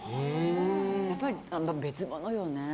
やっぱり別物よね。